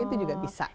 itu juga bisa gitu